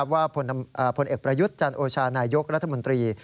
ว่าผลเอกประยุทธ์จันโอชานายกรัฐมนตรี